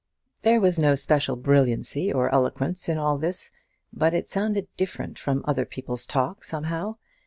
There was no special brilliancy or eloquence in all this, but it sounded different from other people's talk, somehow.